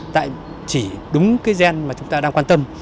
tại chỉ đúng cái gen mà chúng ta đang quan tâm